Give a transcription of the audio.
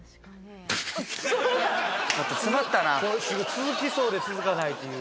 続きそうで続かないという。